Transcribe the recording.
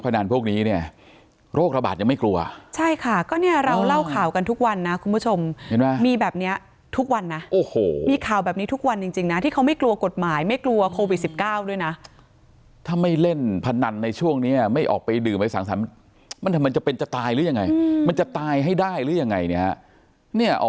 ที่ท่านปียาโคศกสำนักงานตะหมุนแห่งชาติแถลงแล้วก็มีภาพมาให้ดูเนี่ย